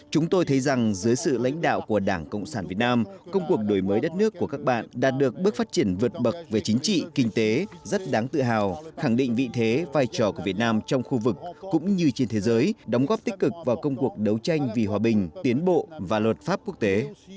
chúng tôi thấy rằng dưới sự lãnh đạo của đảng cộng sản việt nam công cuộc đổi mới đất nước của các bạn đạt được bước phát triển vượt bậc về chính trị kinh tế rất đáng tự hào khẳng định vị thế vai trò của việt nam trong khu vực cũng như trên thế giới đóng góp tích cực vào công cuộc đấu tranh vì hòa bình tiến bộ và luật pháp quốc tế